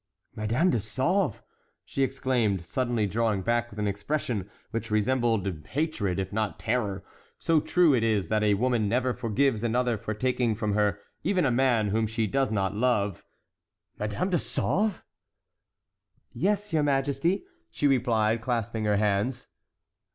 "Madame de Sauve!" she exclaimed, suddenly drawing back with an expression which resembled hatred, if not terror, so true it is that a woman never forgives another for taking from her even a man whom she does not love,—"Madame de Sauve!" "Yes, your majesty!" she replied, clasping her hands.